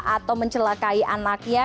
atau mencelakai anaknya